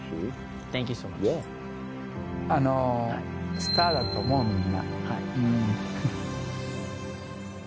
スターだと思う、みんな。